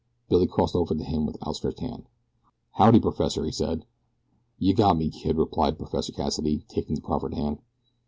Billy crossed over to him, with outstretched hand. "Howdy, Professor!" he said. "Yeh got me, kid," replied Professor Cassidy, taking the proffered hand.